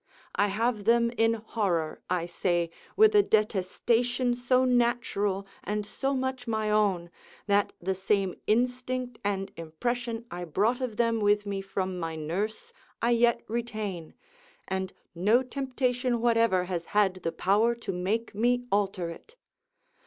I have them in horror, I say, with a detestation so natural, and so much my own, that the same instinct and impression I brought of them with me from my nurse, I yet retain, and no temptation whatever has had the power to make me alter it.